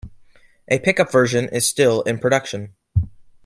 A pick-up version is still in production.